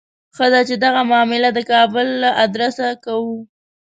ښه ده چې دغه معامله د کابل له آدرسه کوو.